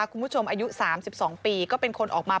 คุณผู้ชมอายุ๓๒ปีก็เป็นคนออกมา